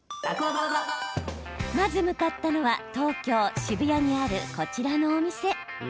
まず向かったのは東京・渋谷にある、こちらのお店。